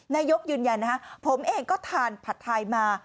นายกยืนยันนะฮะผมเองก็ทานผัดไทยมา